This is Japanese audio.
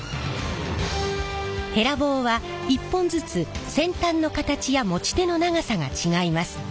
へら棒は１本ずつ先端の形や持ち手の長さが違います。